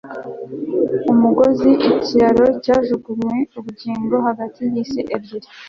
Umugozi ikiraro cyajugunywe ubugingo hagati yisi ebyiri